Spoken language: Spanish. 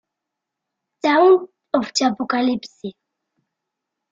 Dawn Of The Apocalypse